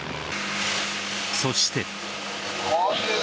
そして。